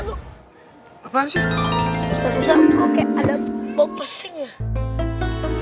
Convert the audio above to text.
ustadz ustadz kok kayak ada bau pesing ya